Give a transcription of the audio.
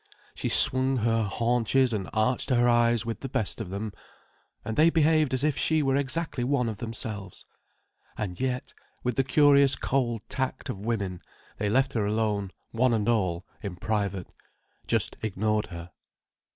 She swung her haunches and arched her eyes with the best of them. And they behaved as if she were exactly one of themselves. And yet, with the curious cold tact of women, they left her alone, one and all, in private: just ignored her.